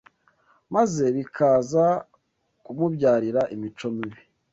maze bikaza kumubyarira imico mibi,